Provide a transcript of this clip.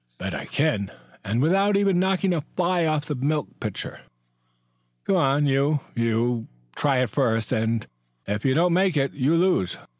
"Bet I can, and without even knocking a fly off the milk pitcher." "Go on, you! You try it first, and, if you don't make it, you lose.